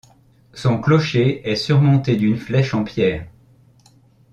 Sont clocher est surmonté d'une flèche en pierre.